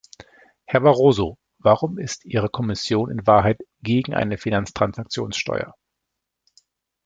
Herr Barroso, warum ist Ihre Kommission in Wahrheit gegen eine Finanztransaktionssteuer?